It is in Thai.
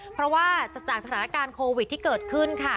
เพราะว่าจากสถานการณ์โควิดที่เกิดขึ้นค่ะ